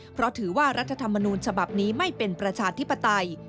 เพราะถือว่ารัฐธรรมนูญฉบับนี้ไม่เป็นประชาธิปไตย